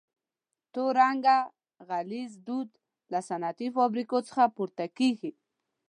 تور رنګه غلیظ دود له صنعتي فابریکو څخه پورته کیږي.